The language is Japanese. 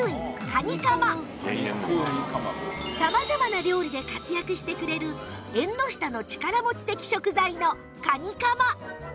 様々な料理で活躍してくれる縁の下の力持ち的食材のカニカマ